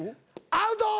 アウトー！